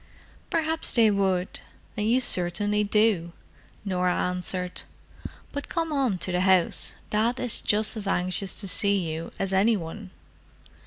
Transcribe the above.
"Perhaps they would—and you certainly do," Norah answered. "But come on to the house. Dad is just as anxious to see you as any one."